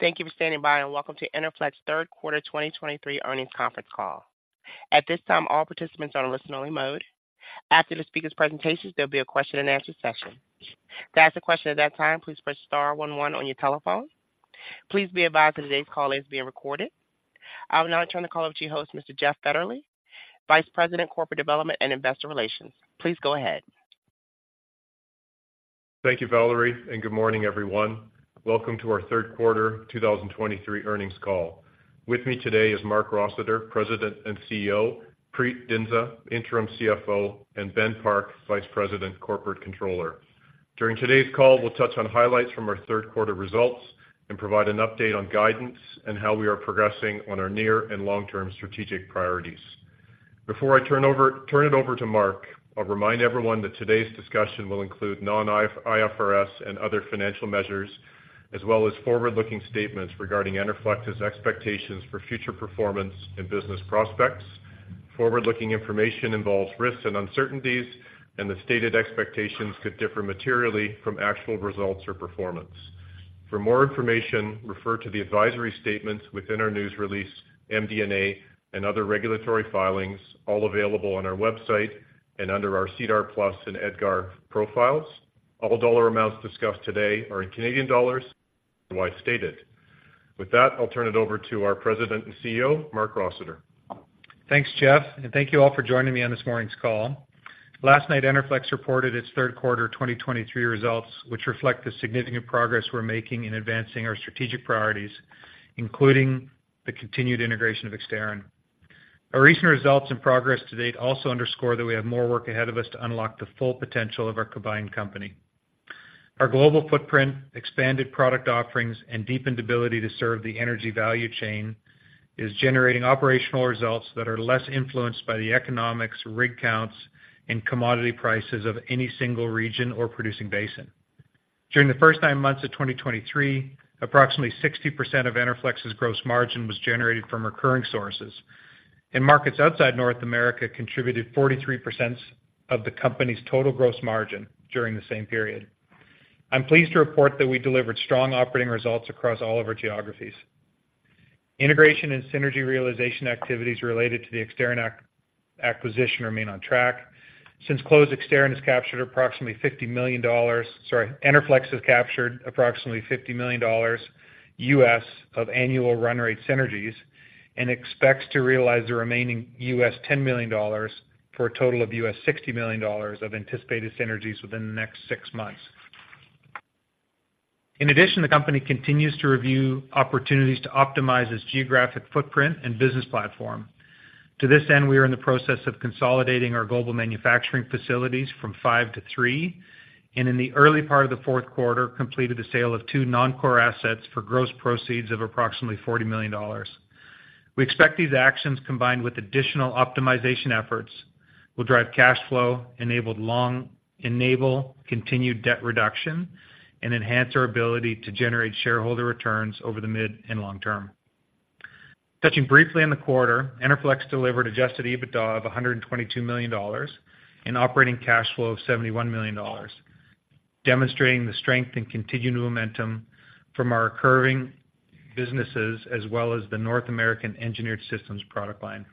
Thank you for standing by and welcome to Enerflex third quarter 2023 earnings conference call. At this time, all participants are on listen-only mode. After the speaker's presentations, there'll be a question-and-answer session. To ask a question at that time, please press star one one on your telephone. Please be advised that today's call is being recorded. I will now turn the call over to your host, Mr. Jeff Fetterly, Vice President, Corporate Development and Investor Relations. Please go ahead. Thank you, Valerie, and good morning, everyone. Welcome to our third quarter 2023 earnings call. With me today is Marc Rossiter, President and CEO, Preet Dhindsa, Interim CFO, and Ben Park, Vice President, Corporate Controller. During today's call, we'll touch on highlights from our third quarter results and provide an update on guidance and how we are progressing on our near and long-term strategic priorities. Before I turn it over to Marc, I'll remind everyone that today's discussion will include non-IFRS and other financial measures, as well as forward-looking statements regarding Enerflex's expectations for future performance and business prospects. Forward-looking information involves risks and uncertainties, and the stated expectations could differ materially from actual results or performance. For more information, refer to the advisory statements within our news release, MD&A, and other regulatory filings, all available on our website and under our SEDAR+ and EDGAR profiles. All dollar amounts discussed today are in Canadian dollars, unless otherwise stated. With that, I'll turn it over to our President and CEO, Marc Rossiter. Thanks, Jeff, and thank you all for joining me on this morning's call. Last night, Enerflex reported its third quarter 2023 results, which reflect the significant progress we're making in advancing our strategic priorities, including the continued integration of Exterran. Our recent results and progress to date also underscore that we have more work ahead of us to unlock the full potential of our combined company. Our global footprint, expanded product offerings, and deepened ability to serve the energy value chain is generating operational results that are less influenced by the economics, rig counts, and commodity prices of any single region or producing basin. During the first nine months of 2023, approximately 60% of Enerflex's gross margin was generated from recurring sources, and markets outside North America contributed 43% of the company's total gross margin during the same period. I'm pleased to report that we delivered strong operating results across all of our geographies. Integration and synergy realization activities related to the Exterran acquisition remain on track. Since close, Enerflex has captured approximately $50 million of annual run rate synergies and expects to realize the remaining $10 million for a total of $60 million of anticipated synergies within the next six months. In addition, the company continues to review opportunities to optimize its geographic footprint and business platform. To this end, we are in the process of consolidating our global manufacturing facilities from five to three, and in the early part of the fourth quarter, completed the sale of two non-core assets for gross proceeds of approximately $40 million. We expect these actions, combined with additional optimization efforts, will drive cash flow, enable continued debt reduction, and enhance our ability to generate shareholder returns over the mid and long term. Touching briefly on the quarter, Enerflex delivered Adjusted EBITDA of $122 million and operating cash flow of $71 million, demonstrating the strength and continued momentum from our recurring businesses, as well as the North American Engineered Systems product line.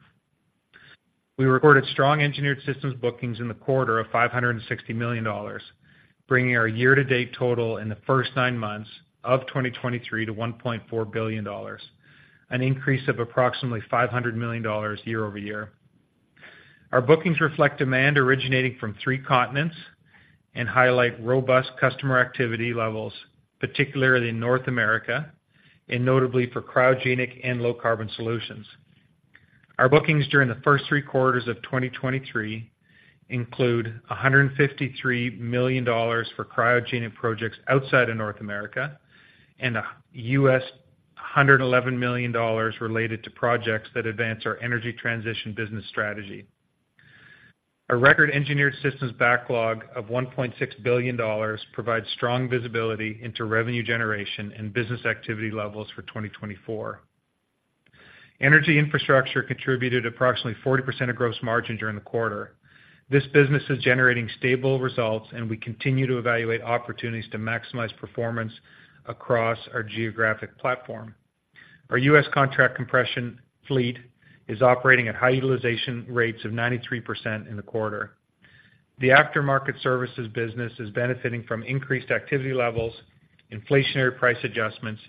We recorded strong Engineered Systems bookings in the quarter of $560 million, bringing our year-to-date total in the first nine months of 2023 to $1.4 billion, an increase of approximately $500 million year-over-year. Our bookings reflect demand originating from three continents and highlight robust customer activity levels, particularly in North America and notably for cryogenic and low-carbon solutions. Our bookings during the first three quarters of 2023 include $153 million for cryogenic projects outside of North America and US $111 million related to projects that advance our energy transition business strategy. Our record engineered systems backlog of $1.6 billion provides strong visibility into revenue generation and business activity levels for 2024. Energy infrastructure contributed approximately 40% of gross margin during the quarter. This business is generating stable results, and we continue to evaluate opportunities to maximize performance across our geographic platform. Our U.S. contract compression fleet is operating at high utilization rates of 93% in the quarter. The aftermarket services business is benefiting from increased activity levels, inflationary price adjustments,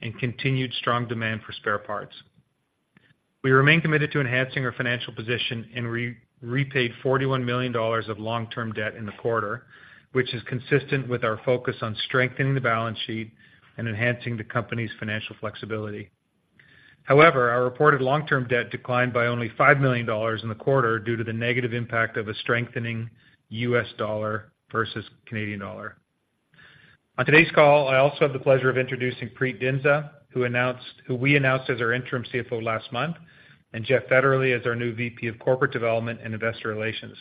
and continued strong demand for spare parts. We remain committed to enhancing our financial position and repaid 41 million dollars of long-term debt in the quarter, which is consistent with our focus on strengthening the balance sheet and enhancing the company's financial flexibility. However, our reported long-term debt declined by only 5 million dollars in the quarter due to the negative impact of a strengthening U.S. dollar versus Canadian dollar. On today's call, I also have the pleasure of introducing Preet Dhindsa, who we announced as our interim CFO last month, and Jeff Fetterly, as our new VP of Corporate Development and Investor Relations.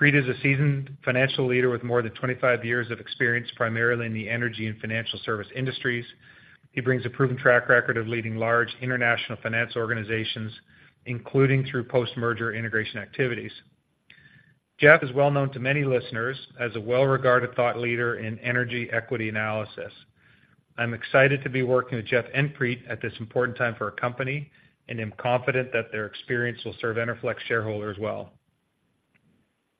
Preet is a seasoned financial leader with more than 25 years of experience, primarily in the energy and financial services industries. He brings a proven track record of leading large international finance organizations, including through post-merger integration activities. Jeff is well known to many listeners as a well-regarded thought leader in energy equity analysis. I'm excited to be working with Jeff and Preet at this important time for our company, and am confident that their experience will serve Enerflex shareholders well.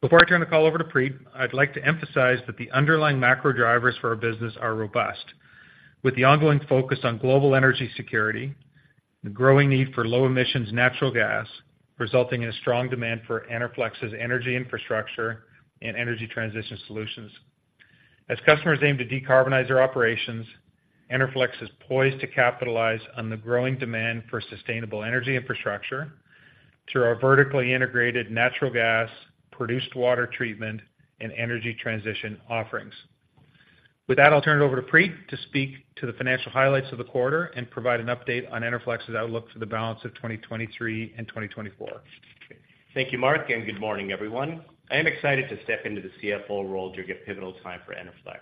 Before I turn the call over to Preet, I'd like to emphasize that the underlying macro drivers for our business are robust. With the ongoing focus on global energy security, the growing need for low emissions natural gas, resulting in a strong demand for Enerflex's energy infrastructure and energy transition solutions. As customers aim to decarbonize their operations, Enerflex is poised to capitalize on the growing demand for sustainable energy infrastructure through our vertically integrated natural gas, produced water treatment, and energy transition offerings. With that, I'll turn it over to Preet to speak to the financial highlights of the quarter and provide an update on Enerflex's outlook for the balance of 2023 and 2024. Thank you, Marc, and good morning, everyone. I am excited to step into the CFO role during a pivotal time for Enerflex.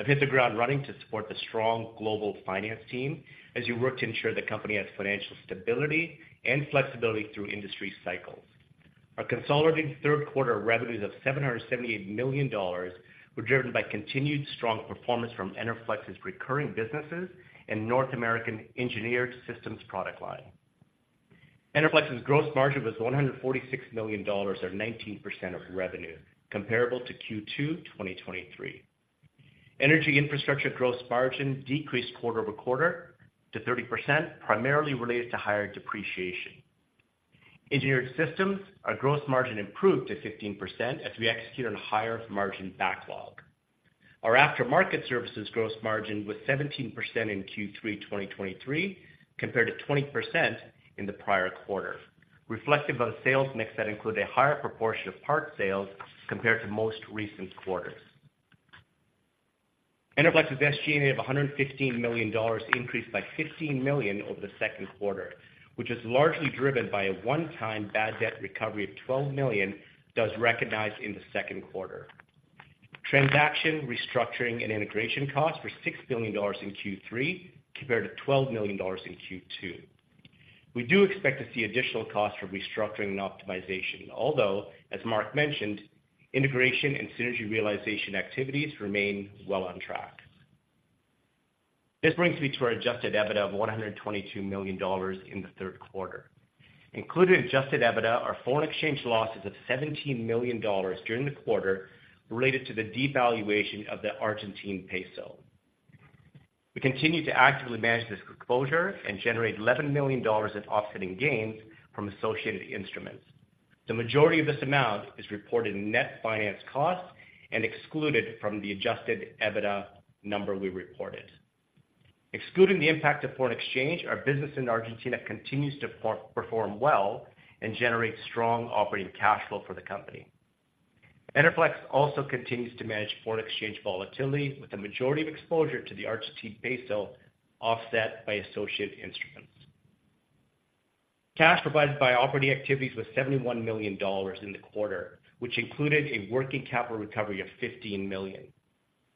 I've hit the ground running to support the strong global finance team as we work to ensure the company has financial stability and flexibility through industry cycles. Our consolidated third quarter revenues of 778 million dollars were driven by continued strong performance from Enerflex's recurring businesses and North American Engineered Systems product line. Enerflex's gross margin was 146 million dollars or 19% of revenue, comparable to Q2 2023. Energy Infrastructure gross margin decreased quarter-over-quarter to 30%, primarily related to higher depreciation. Engineered Systems, our gross margin improved to 15% as we executed on higher-margin backlog. Our aftermarket services gross margin was 17% in Q3 2023, compared to 20% in the prior quarter, reflective of a sales mix that included a higher proportion of parts sales compared to most recent quarters. Enerflex's SG&A of 115 million dollars increased by 15 million over the second quarter, which is largely driven by a one-time bad debt recovery of 12 million that was recognized in the second quarter. Transaction, restructuring, and integration costs were 6 million dollars in Q3, compared to 12 million dollars in Q2. We do expect to see additional costs for restructuring and optimization, although, as Marc mentioned, integration and synergy realization activities remain well on track. This brings me to our Adjusted EBITDA of 122 million dollars in the third quarter. Included in Adjusted EBITDA are foreign exchange losses of 17 million dollars during the quarter related to the devaluation of the Argentine peso. We continue to actively manage this exposure and generate 11 million dollars of offsetting gains from associated instruments. The majority of this amount is reported in net finance costs and excluded from the Adjusted EBITDA number we reported. Excluding the impact of foreign exchange, our business in Argentina continues to perform well and generates strong operating cash flow for the company. Enerflex also continues to manage foreign exchange volatility, with the majority of exposure to the Argentine peso offset by associated instruments. Cash provided by operating activities was 71 million dollars in the quarter, which included a working capital recovery of 15 million.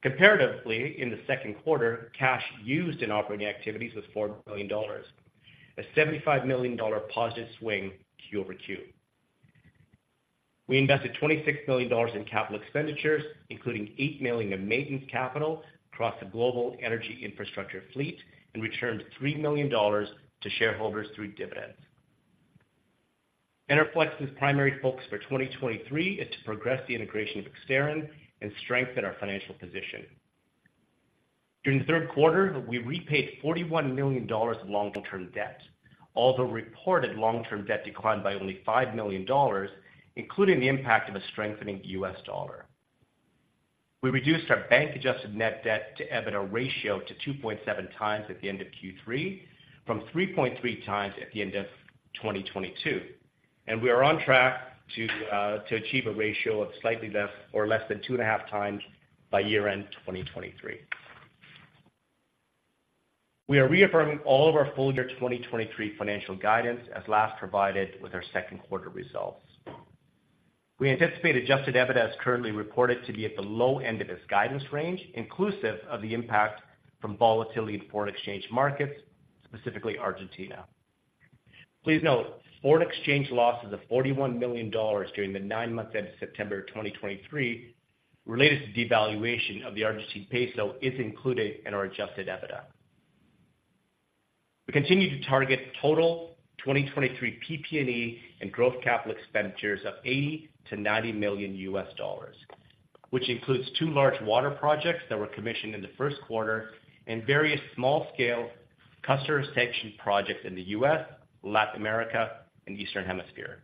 Comparatively, in the second quarter, cash used in operating activities was 4 million dollars, a 75 million dollar positive swing Q-over-Q. We invested 26 million dollars in capital expenditures, including 8 million of maintenance capital across the global energy infrastructure fleet, and returned 3 million dollars to shareholders through dividends. Enerflex's primary focus for 2023 is to progress the integration of Exterran and strengthen our financial position. During the third quarter, we repaid 41 million dollars of long-term debt, although reported long-term debt declined by only 5 million dollars, including the impact of a strengthening US dollar. We reduced our bank-adjusted net debt to EBITDA ratio to 2.7x at the end of Q3, from 3.3 times at the end of 2022, and we are on track to achieve a ratio of slightly less or less than 2.5 times by year-end 2023. We are reaffirming all of our full-year 2023 financial guidance as last provided with our second quarter results. We anticipate Adjusted EBITDA as currently reported to be at the low end of this guidance range, inclusive of the impact from volatility in foreign exchange markets, specifically Argentina. Please note, foreign exchange losses of $41 million during the nine months ended September 2023, related to the devaluation of the Argentine peso, is included in our Adjusted EBITDA. We continue to target total 2023 PP&E and growth capital expenditures of $80 million-$90 million, which includes two large water projects that were commissioned in the first quarter and various small-scale customer-specific projects in the U.S., Latin America, and Eastern Hemisphere.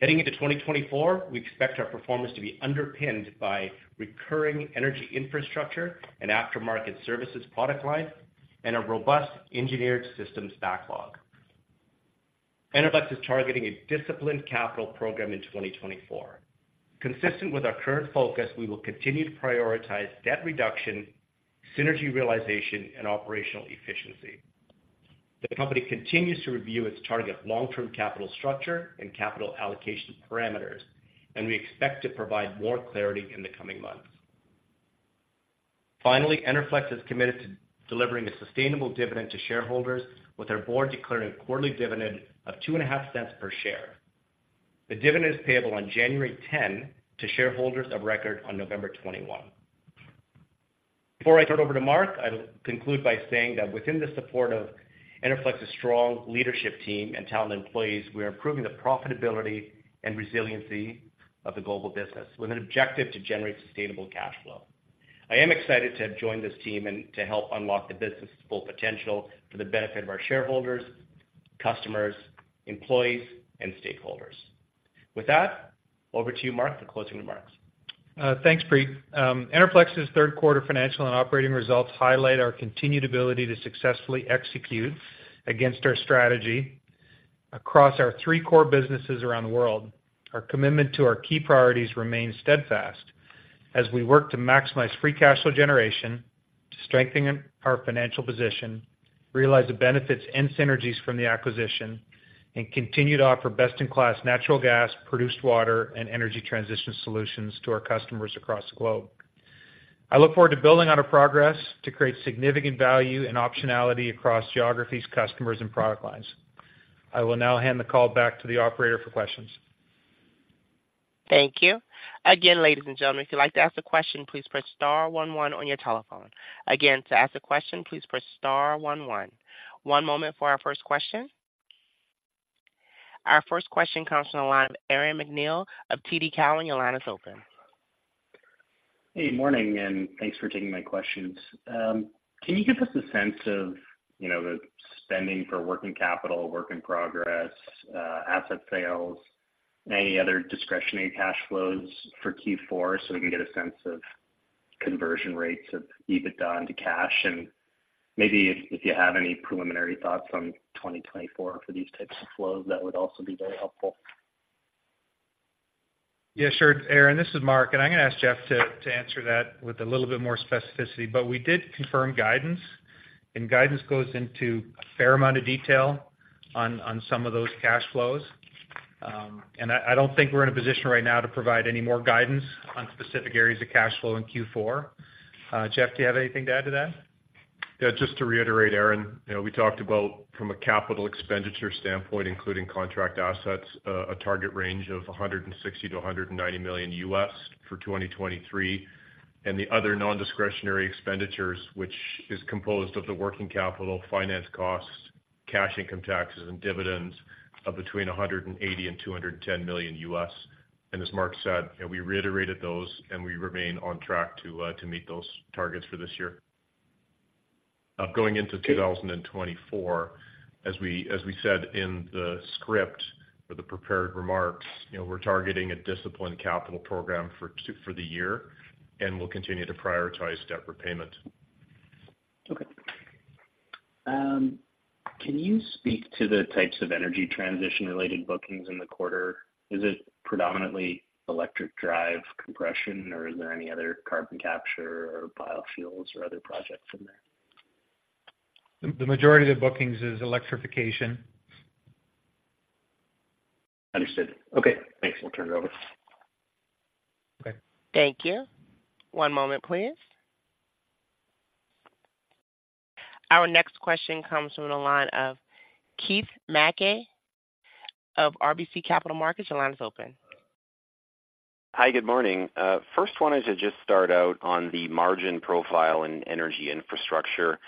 Heading into 2024, we expect our performance to be underpinned by recurring Energy Infrastructure and aftermarket services product lines and a robust Engineered Systems backlog. Enerflex is targeting a disciplined capital program in 2024. Consistent with our current focus, we will continue to prioritize debt reduction, synergy realization, and operational efficiency. The company continues to review its target long-term capital structure and capital allocation parameters, and we expect to provide more clarity in the coming months. Finally, Enerflex is committed to delivering a sustainable dividend to shareholders, with our board declaring a quarterly dividend of 0.025 per share. The dividend is payable on January 10 to shareholders of record on November 21. Before I turn it over to Marc, I'll conclude by saying that within the support of Enerflex's strong leadership team and talented employees, we are improving the profitability and resiliency of the global business, with an objective to generate sustainable cash flow. I am excited to have joined this team and to help unlock the business's full potential for the benefit of our shareholders, customers, employees, and stakeholders. With that, over to you, Marc, for closing remarks. Thanks, Preet. Enerflex's third quarter financial and operating results highlight our continued ability to successfully execute against our strategy across our three core businesses around the world. Our commitment to our key priorities remains steadfast as we work to maximize free cash flow generation, to strengthen our financial position, realize the benefits and synergies from the acquisition, and continue to offer best-in-class natural gas, produced water, and energy transition solutions to our customers across the globe. I look forward to building on our progress to create significant value and optionality across geographies, customers, and product lines. I will now hand the call back to the operator for questions. Thank you. Again, ladies and gentlemen, if you'd like to ask a question, please press star one one on your telephone. Again, to ask a question, please press star one one. One moment for our first question. Our first question comes from the line of Aaron MacNeil of TD Cowen. Your line is open. Hey, morning, and thanks for taking my questions. Can you give us a sense of, you know, the spending for working capital, work in progress, asset sales, and any other discretionary cash flows for Q4 so we can get a sense of conversion rates of EBITDA into cash? Maybe if you have any preliminary thoughts on 2024 for these types of flows, that would also be very helpful. Yeah, sure, Aaron, this is Marc, and I'm gonna ask Jeff to answer that with a little bit more specificity. But we did confirm guidance, and guidance goes into a fair amount of detail on some of those cash flows. I don't think we're in a position right now to provide any more guidance on specific areas of cash flow in Q4. Jeff, do you have anything to add to that? Yeah, just to reiterate, Aaron, you know, we talked about from a capital expenditure standpoint, including contract assets, a target range of $160 million-$190 million for 2023. And the other non-discretionary expenditures, which is composed of the working capital, finance costs, cash income taxes, and dividends of between $180 million and $210 million. And as Marc said, you know, we reiterated those, and we remain on track to meet those targets for this year. Going into 2024, as we, as we said in the script for the prepared remarks, you know, we're targeting a disciplined capital program for 2024 for the year, and we'll continue to prioritize debt repayment. Okay. Can you speak to the types of energy transition-related bookings in the quarter? Is it predominantly electric drive compression, or is there any other carbon capture or biofuels or other projects in there? The majority of the bookings is electrification. Understood. Okay, thanks. I'll turn it over. Okay. Thank you. One moment, please. Our next question comes from the line of Keith Mackey of RBC Capital Markets. Your line is open. Hi, good morning. First, wanted to just start out on the margin profile in Energy Infrastructure.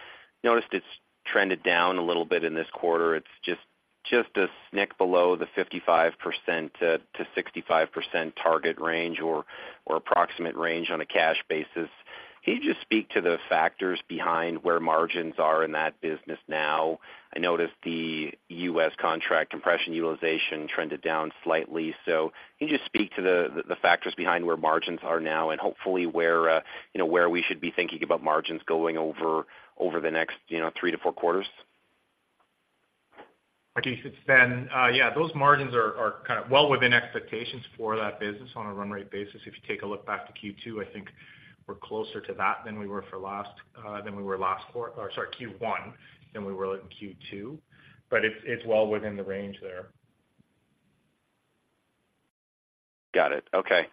Noticed it's trended down a little bit in this quarter. It's just a tick below the 55%-65% target range or approximate range on a cash basis. Can you just speak to the factors behind where margins are in that business now? I noticed the U.S. Contract Compression utilization trended down slightly, so can you just speak to the factors behind where margins are now and hopefully where, you know, where we should be thinking about margins going over the next three to four quarters? Hi, Keith, it's Ben. Yeah, those margins are kind of well within expectations for that business on a run rate basis. If you take a look back to Q2, I think we're closer to that than we were for last quarter - or sorry, Q1 than we were in Q2, but it's well within the range there. Got it. Okay.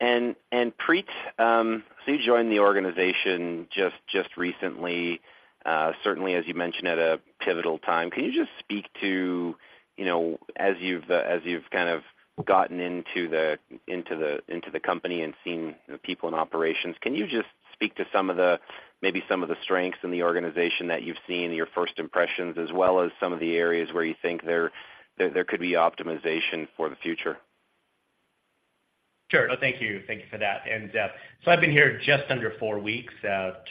And Preet, so you joined the organization just recently, certainly as you mentioned, at a pivotal time. Can you just speak to, you know, as you've kind of gotten into the company and seen the people in operations, can you just speak to some of the, maybe some of the strengths in the organization that you've seen in your first impressions, as well as some of the areas where you think there could be optimization for the future? Sure. Well, thank you. Thank you for that. And so I've been here just under four weeks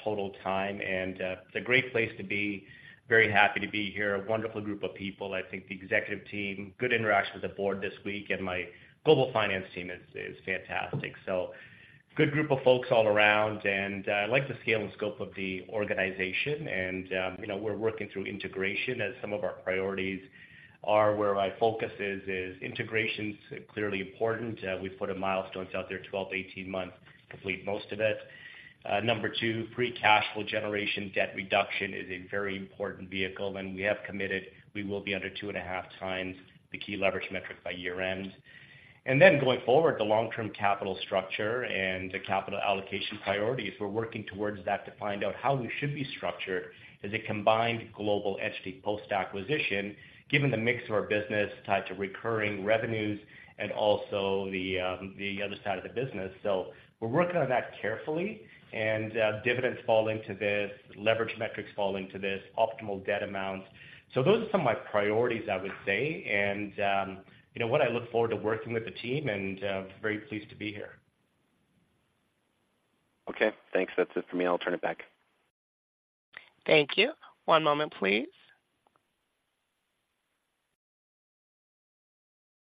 total time, and it's a great place to be. Very happy to be here. A wonderful group of people. I think the executive team, good interaction with the board this week, and my global finance team is fantastic. So good group of folks all around, and I like the scale and scope of the organization and, you know, we're working through integration as some of our priorities are where my focus is, integration's clearly important. We've put some milestones out there, 12-18 months to complete most of it. Number two, free cash flow generation, debt reduction is a very important vehicle, and we have committed we will be under 2.5x the key leverage metric by year-end. And then going forward, the long-term capital structure and the capital allocation priorities, we're working towards that to find out how we should be structured as a combined global entity post-acquisition, given the mix of our business tied to recurring revenues and also the other side of the business. So we're working on that carefully, and dividends fall into this, leverage metrics fall into this, optimal debt amount. So those are some of my priorities, I would say. And you know what? I look forward to working with the team, and very pleased to be here. Okay, thanks. That's it for me. I'll turn it back. Thank you. One moment, please.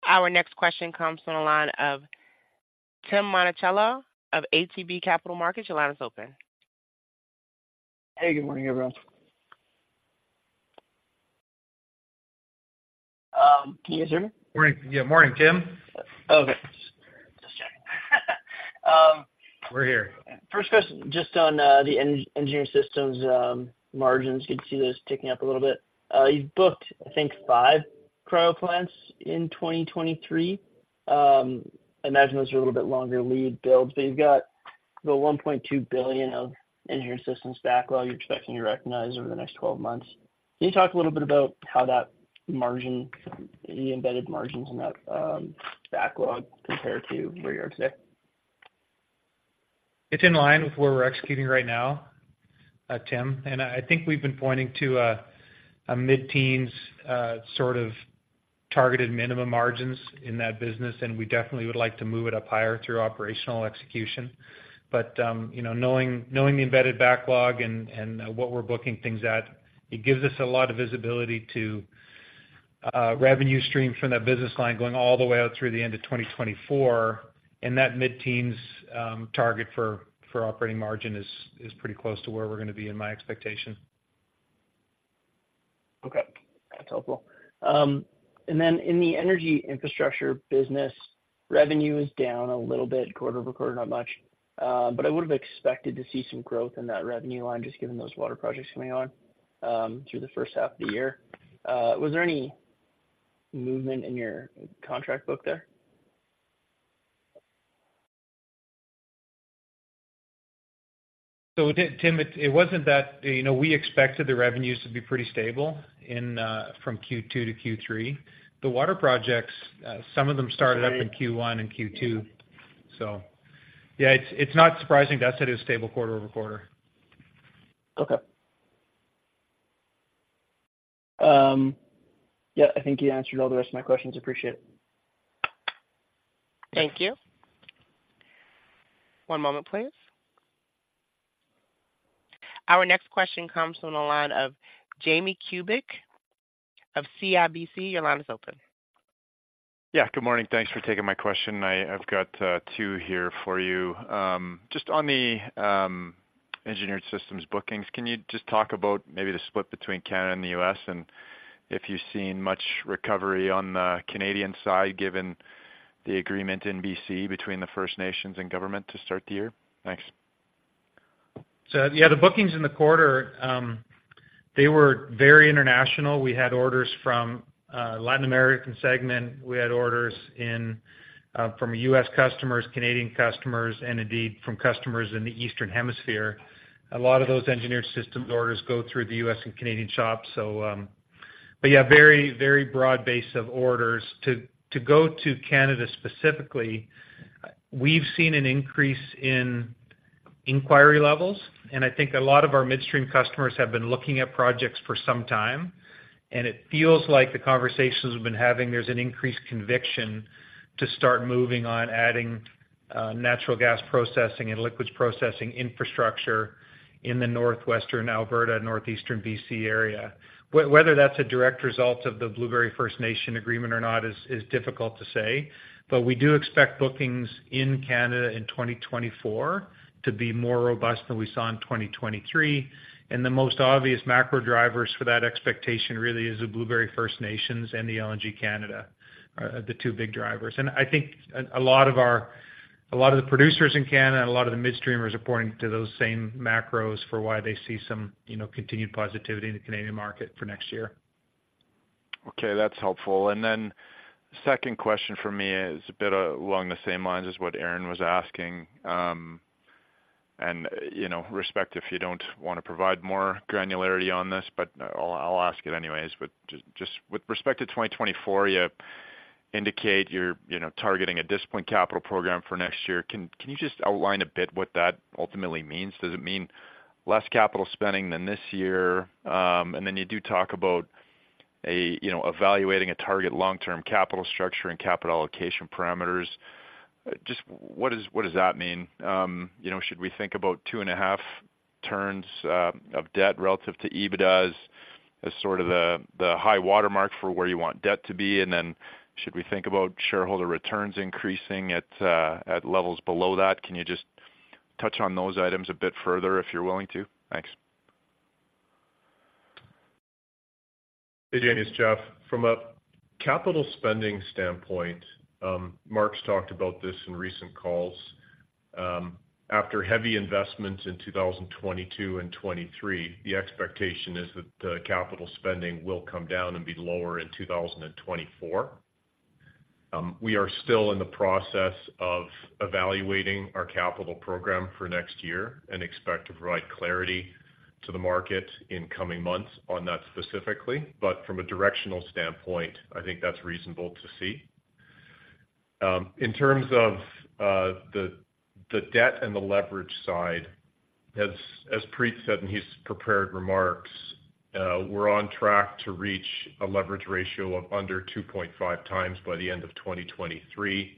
Our next question comes from the line of Tim Monachello of ATB Capital Markets. Your line is open. Hey, good morning, everyone. Can you hear me? Morning. Yeah, morning, Tim. Okay, just checking. We're here. First question, just on the Engineered Systems margins, you'd see those ticking up a little bit. You've booked, I think, five cryo plants in 2023. I imagine those are a little bit longer lead builds, but you've got the 1.2 billion of Engineered Systems backlog you're expecting to recognize over the next 12 months. Can you talk a little bit about how that margin, the embedded margins in that backlog compare to where you are today? It's in line with where we're executing right now, Tim. And I think we've been pointing to a mid-teens sort of targeted minimum margins in that business, and we definitely would like to move it up higher through operational execution. But, you know, knowing the embedded backlog and what we're booking things at, it gives us a lot of visibility to revenue stream from that business line, going all the way out through the end of 2024. And that mid-teens target for operating margin is pretty close to where we're gonna be, in my expectation. Okay. That's helpful. And then in the energy infrastructure business, revenue is down a little bit, quarter-over-quarter, not much. But I would have expected to see some growth in that revenue line, just given those water projects coming on through the first half of the year. Was there any movement in your contract book there? So Tim, it wasn't that. You know, we expected the revenues to be pretty stable from Q2 to Q3. The water projects, some of them started up in Q1 and Q2. So yeah, it's not surprising to us that it was stable quarter-over-quarter. Okay. Yeah, I think you answered all the rest of my questions. Appreciate it. Thank you. One moment, please. Our next question comes from the line of Jamie Kubik of CIBC. Your line is open. Yeah, good morning. Thanks for taking my question. I've got two here for you. Just on the Engineered Systems bookings, can you just talk about maybe the split between Canada and the U.S., and if you've seen much recovery on the Canadian side, given the agreement in BC between the First Nations and government to start the year? Thanks. So yeah, the bookings in the quarter, they were very international. We had orders from Latin American segment. We had orders in from U.S. customers, Canadian customers, and indeed from customers in the Eastern Hemisphere. A lot of those Engineered Systems orders go through the U.S. and Canadian shops. So, but yeah, very, very broad base of orders. To go to Canada specifically, we've seen an increase in inquiry levels, and I think a lot of our midstream customers have been looking at projects for some time, and it feels like the conversations we've been having, there's an increased conviction to start moving on adding natural gas processing and liquids processing infrastructure in the northwestern Alberta, northeastern B.C. area. Whether that's a direct result of the Blueberry First Nation agreement or not is difficult to say, but we do expect bookings in Canada in 2024 to be more robust than we saw in 2023. And the most obvious macro drivers for that expectation really is the Blueberry First Nations and the LNG Canada are the two big drivers. And I think a lot of the producers in Canada and a lot of the midstreamers are pointing to those same macros for why they see some, you know, continued positivity in the Canadian market for next year. Okay, that's helpful. Then second question for me is a bit along the same lines as what Aaron was asking. And you know, respect if you don't want to provide more granularity on this, but I'll ask it anyways. But just with respect to 2024, you indicate you're you know, targeting a disciplined capital program for next year. Can you just outline a bit what that ultimately means? Does it mean less capital spending than this year? And then you do talk about a you know, evaluating a target long-term capital structure and capital allocation parameters. Just what does what does that mean? You know, should we think about 2.5 turns of debt relative to EBITDA as sort of the high-water mark for where you want debt to be? And then, should we think about shareholder returns increasing at levels below that? Can you just-touch on those items a bit further, if you're willing to? Thanks. Hey, Jamie, it's Jeff. From a capital spending standpoint, Marc's talked about this in recent calls. After heavy investments in 2022 and 2023, the expectation is that the capital spending will come down and be lower in 2024. We are still in the process of evaluating our capital program for next year and expect to provide clarity to the market in coming months on that specifically. From a directional standpoint, I think that's reasonable to see. In terms of the debt and the leverage side, as Preet said in his prepared remarks, we're on track to reach a leverage ratio of under 2.5x by the end of 2023.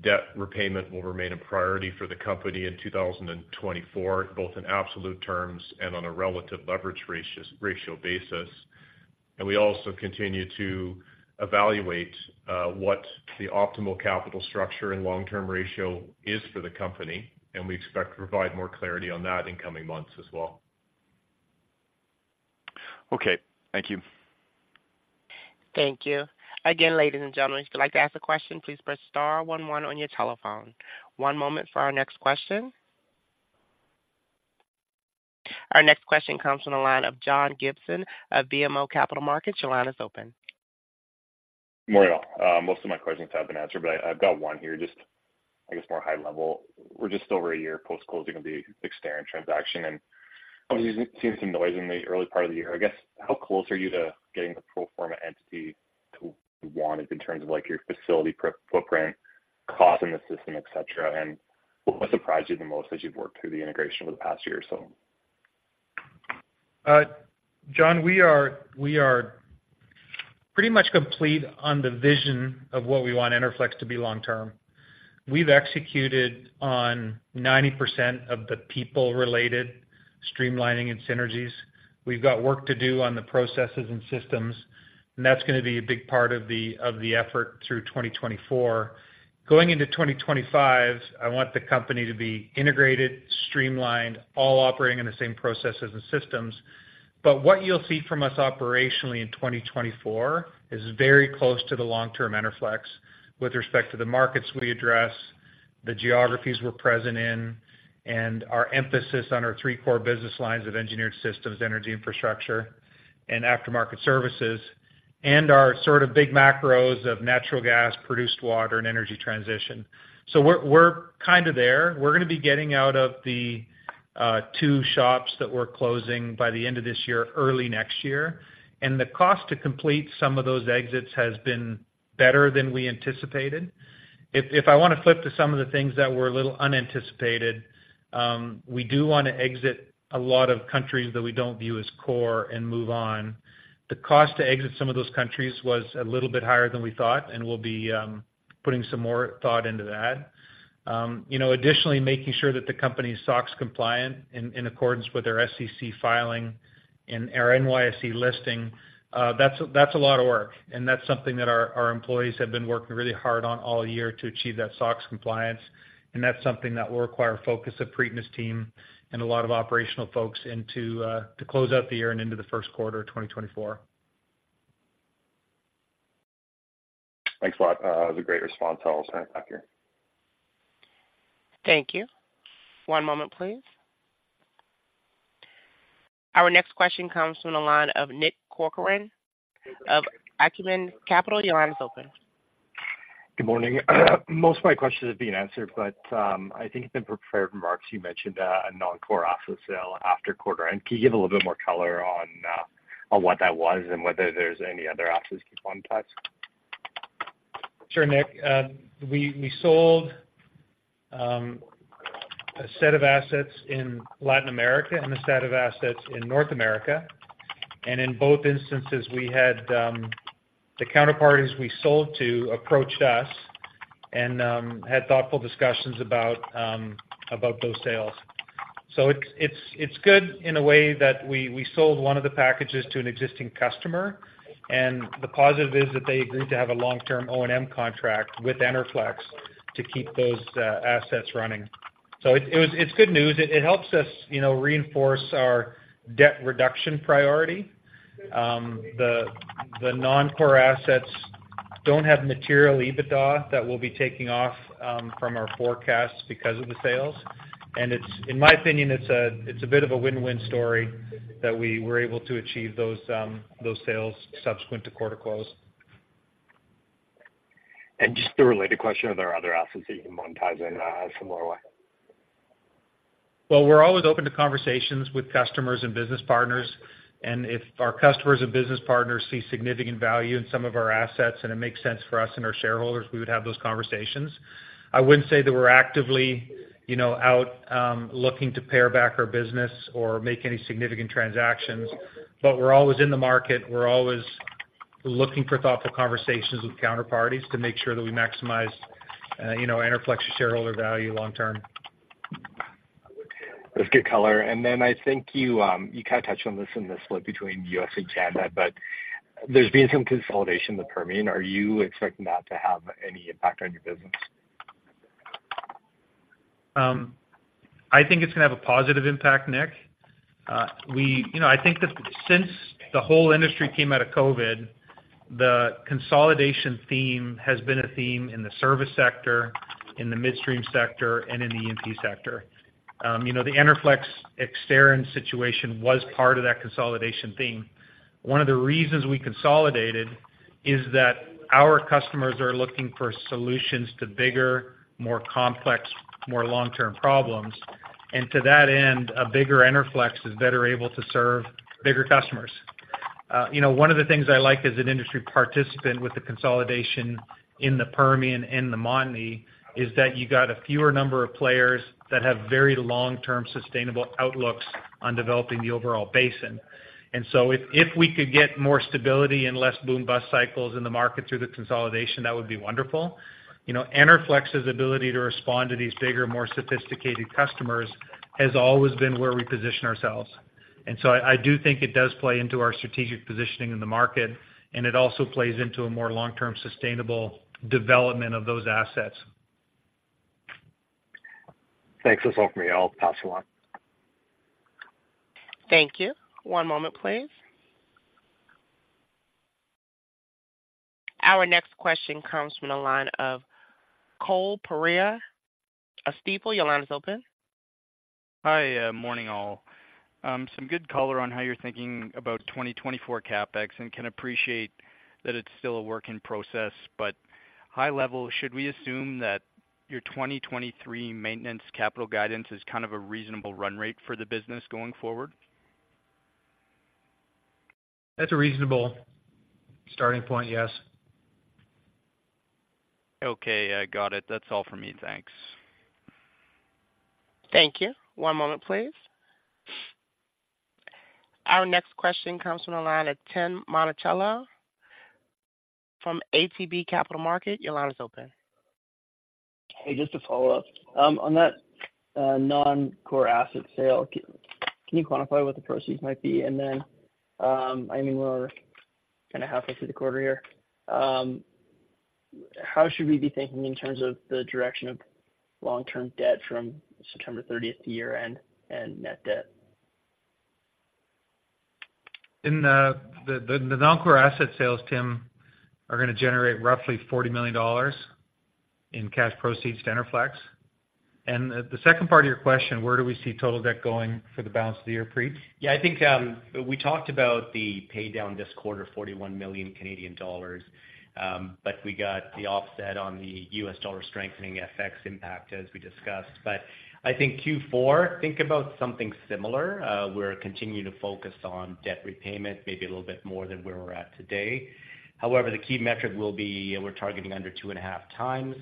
Debt repayment will remain a priority for the company in 2024, both in absolute terms and on a relative leverage ratio basis. We also continue to evaluate what the optimal capital structure and long-term ratio is for the company, and we expect to provide more clarity on that in coming months as well. Okay. Thank you. Thank you. Again, ladies and gentlemen, if you'd like to ask a question, please press star one one on your telephone. One moment for our next question. Our next question comes from the line of John Gibson of BMO Capital Markets. Your line is open. Morning, all. Most of my questions have been answered, but I, I've got one here, just, I guess, more high level. We're just over a year post-closing of the Exterran transaction, and obviously, we've seen some noise in the early part of the year. I guess, how close are you to getting the pro forma entity to wanted in terms of, like, your facility footprint, cost in the system, et cetera, and what surprised you the most as you've worked through the integration over the past year or so? John, we are pretty much complete on the vision of what we want Enerflex to be long term. We've executed on 90% of the people-related streamlining and synergies. We've got work to do on the processes and systems, and that's gonna be a big part of the effort through 2024. Going into 2025, I want the company to be integrated, streamlined, all operating in the same processes and systems. But what you'll see from us operationally in 2024 is very close to the long-term Enerflex with respect to the markets we address, the geographies we're present in, and our emphasis on our three core business lines of Engineered Systems, Energy Infrastructure, and After-Market Services, and our sort of big macros of natural gas, produced water, and energy Transition. So we're kind of there. We're gonna be getting out of the two shops that we're closing by the end of this year, early next year, and the cost to complete some of those exits has been better than we anticipated. If I wanna flip to some of the things that were a little unanticipated, we do wanna exit a lot of countries that we don't view as core and move on. The cost to exit some of those countries was a little bit higher than we thought, and we'll be putting some more thought into that. You know, additionally, making sure that the company's SOX compliant in accordance with our SEC filing and our NYSE listing, that's a lot of work, and that's something that our employees have been working really hard on all year to achieve that SOX compliance. That's something that will require focus of Preet and his team and a lot of operational folks into to close out the year and into the first quarter of 2024. Thanks a lot. It was a great response. I'll send it back to you. Thank you. One moment, please. Our next question comes from the line of Nick Corcoran of Acumen Capital. Your line is open. Good morning. Most of my questions have been answered, but, I think in the prepared remarks, you mentioned a non-core asset sale after quarter. And can you give a little bit more color on, on what that was and whether there's any other assets to monetize? Sure, Nick. We sold a set of assets in Latin America and a set of assets in North America. In both instances, we had the counterparties we sold to approached us and had thoughtful discussions about those sales. So it's good in a way that we sold one of the packages to an existing customer, and the positive is that they agreed to have a long-term O&M contract with Enerflex to keep those assets running. So it was good news. It helps us, you know, reinforce our debt reduction priority. The non-core assets don't have material EBITDA that we'll be taking off from our forecast because of the sales. It's, in my opinion, a bit of a win-win story that we were able to achieve those sales subsequent to quarter close. Just a related question, are there other assets that you can monetize in a similar way? Well, we're always open to conversations with customers and business partners, and if our customers and business partners see significant value in some of our assets and it makes sense for us and our shareholders, we would have those conversations. I wouldn't say that we're actively, you know, out, looking to pare back our business or make any significant transactions, but we're always in the market. We're always looking for thoughtful conversations with counterparties to make sure that we maximize, you know, Enerflex shareholder value long term. That's good color. And then I think you, you kind of touched on this in the split between U.S. and Canada, but there's been some consolidation in the Permian. Are you expecting that to have any impact on your business? I think it's gonna have a positive impact, Nick. We. You know, I think that since the whole industry came out of COVID, the consolidation theme has been a theme in the service sector, in the midstream sector, and in the E&P sector. You know, the Enerflex Exterran situation was part of that consolidation theme. One of the reasons we consolidated is that our customers are looking for solutions to bigger, more complex, more long-term problems, and to that end, a bigger Enerflex is better able to serve bigger customers. You know, one of the things I like as an industry participant with the consolidation in the Permian and the Montney is that you got a fewer number of players that have very long-term sustainable outlooks on developing the overall basin. And so if we could get more stability and less boom-bust cycles in the market through the consolidation, that would be wonderful. You know, Enerflex's ability to respond to these bigger, more sophisticated customers has always been where we position ourselves. And so I do think it does play into our strategic positioning in the market, and it also plays into a more long-term sustainable development of those assets. Thanks. That's all for me. I'll pass along. Thank you. One moment, please. Our next question comes from the line of Cole Pereira, Stifel. Your line is open. Hi, morning, all. Some good color on how you're thinking about 2024 CapEx, and can appreciate that it's still a work in process. But high level, should we assume that your 2023 maintenance capital guidance is kind of a reasonable run rate for the business going forward? That's a reasonable starting point, yes. Okay, I got it. That's all for me. Thanks. Thank you. One moment, please. Our next question comes from the line of Tim Monachello from ATB Capital Markets. Your line is open. Hey, just to follow up. On that, non-core asset sale, can you quantify what the proceeds might be? And then, I mean, we're kinda halfway through the quarter here. How should we be thinking in terms of the direction of long-term debt from September 30th year-end and net debt? In the non-core asset sales, Tim, are gonna generate roughly 40 million dollars in cash proceeds to Enerflex. The second part of your question, where do we see total debt going for the balance of the year, Preet? Yeah, I think we talked about the paydown this quarter, 41 million Canadian dollars, but we got the offset on the US dollar strengthening FX impact, as we discussed. But I think Q4, think about something similar. We're continuing to focus on debt repayment, maybe a little bit more than where we're at today. However, the key metric will be, we're targeting under 2.5x.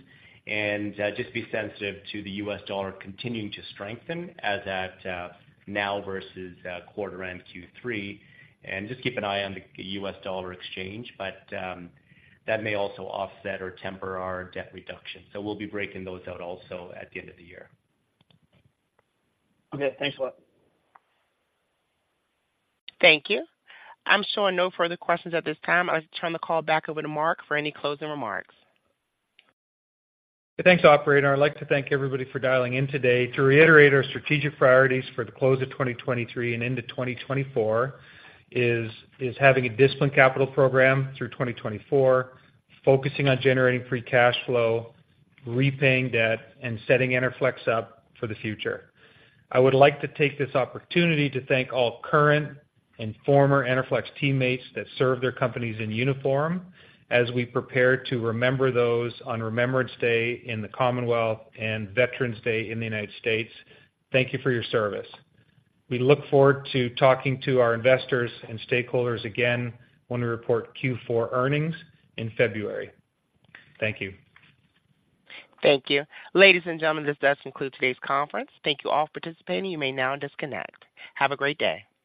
And just be sensitive to the US dollar continuing to strengthen as at now versus quarter end Q3, and just keep an eye on the US dollar exchange, but that may also offset or temper our debt reduction. So we'll be breaking those out also at the end of the year. Okay, thanks a lot. Thank you. I'm showing no further questions at this time. I'll turn the call back over to Marc for any closing remarks. Thanks, operator. I'd like to thank everybody for dialing in today. To reiterate our strategic priorities for the close of 2023 and into 2024 is having a disciplined capital program through 2024, focusing on generating free cash flow, repaying debt, and setting Enerflex up for the future. I would like to take this opportunity to thank all current and former Enerflex teammates that serve their companies in uniform, as we prepare to remember those on Remembrance Day in the Commonwealth and Veterans Day in the United States. Thank you for your service. We look forward to talking to our investors and stakeholders again when we report Q4 earnings in February. Thank you. Thank you. Ladies and gentlemen, this does conclude today's conference. Thank you all for participating. You may now disconnect. Have a great day.